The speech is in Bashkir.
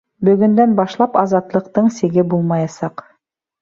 Бөгөндән башлап азатлыҡтың сиге булмаясаҡ.